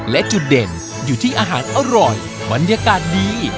และจุดเด่นอยู่ที่อาหารอร่อยบรรยากาศดี